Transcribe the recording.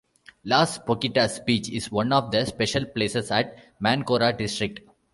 Las Pocitas Beach is one the special places at Mancora District.